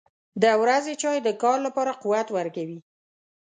• د ورځې چای د کار لپاره قوت ورکوي.